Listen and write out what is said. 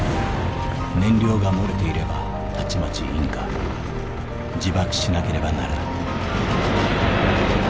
燃料が漏れていればたちまち引火自爆しなければならない」。